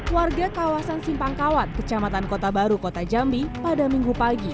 warga kawasan simpangkawat kecamatan kota baru kota jambi pada minggu pagi